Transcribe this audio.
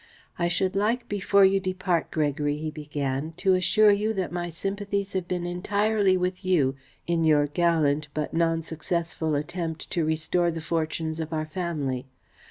"I should like before you depart, Gregory," he began, "to assure you that my sympathies have been entirely with you in your gallant but non successful attempt to restore the fortunes of our family.